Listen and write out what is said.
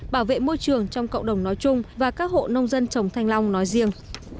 bảo vệ môi trường trong cộng đồng nói chung và các hộ nông dân trồng thanh long nói riêng